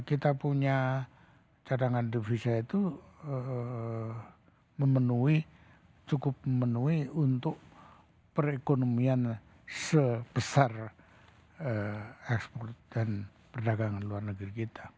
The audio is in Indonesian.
kita punya cadangan devisa itu memenuhi cukup memenuhi untuk perekonomian sebesar ekspor dan perdagangan luar negeri kita